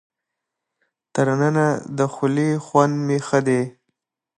تر ننه د خولې خوند مې ښه دی.